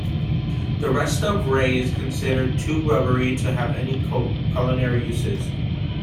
The rest of the ray is considered too rubbery to have any culinary uses.